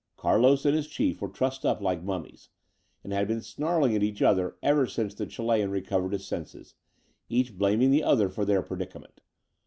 Carlos and his chief were trussed up like mummies, and had been snarling at each other ever since the Chilean recovered his senses, each blaming the other for their predicament.